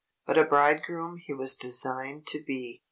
But a bridegroom he was designed to be.